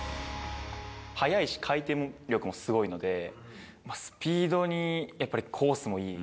速いし回転力もすごいので、スピードに、やっぱりコースもいい。